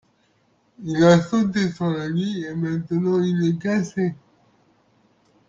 Il a sauté sur le lit et maintenant il est cassé.